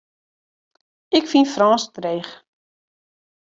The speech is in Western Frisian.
Ik fyn Frânsk dreech.